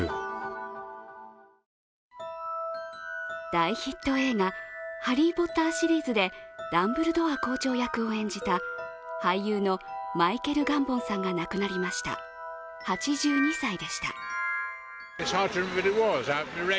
大ヒット映画「ハリー・ポッター」シリーズでダンブルドア校長役を演じた俳優のマイケル・ガンボンさんが亡くなりました、８２歳でした。